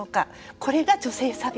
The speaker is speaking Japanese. これが女性差別。